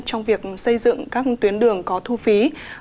trong việc xây dựng các tuyến đường có thu phí